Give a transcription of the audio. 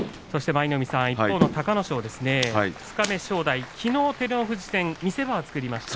一方の隆の勝二日目正代、きのう照ノ富士戦見せ場は作りました。